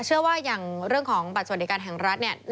เชื่อว่าอย่างเรื่องของบัตรสวัสดิการแห่งรัฐเนี่ย